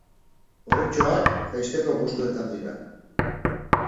Gorritxoak jaisteko postuetan dira.